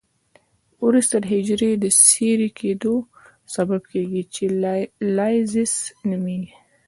وروسته د حجري د څیرې کیدو سبب کیږي چې لایزس نومېږي.